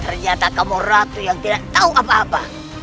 ternyata kamu ratu yang tidak tahu apa apa